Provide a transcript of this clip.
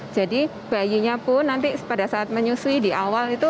jadi bayinya pun nanti pada saat menyusui di awal itu